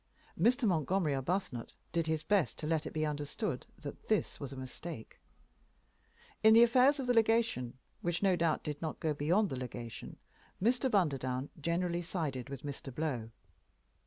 Mr. Montgomery Arbuthnot did his best to let it be understood that this was a mistake. In the small affairs of the legation, which no doubt did not go beyond the legation, Mr. Bunderdown generally sided with Mr. Blow.